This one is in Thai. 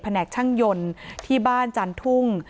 แหนกช่างยนต์ที่บ้านจันทุ่ง